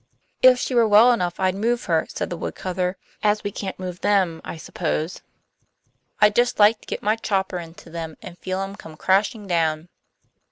"If she were well enough I'd move her," said the woodcutter, "as we can't move them, I suppose. I'd just like to get my chopper into them and feel 'em come crashing down."